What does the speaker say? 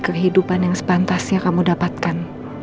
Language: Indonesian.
kehidupan yang sepantasnya kamu dapatkan